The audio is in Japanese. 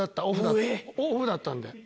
オフだったんで。